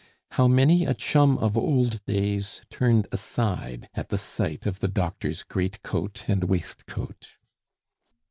How many a chum of old days turned aside at the sight of the doctor's greatcoat and waistcoat!